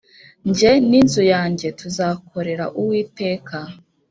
njye ninzu yanjye tuzakorera uwiteka